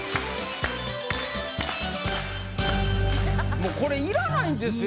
もうこれ要らないんですよ。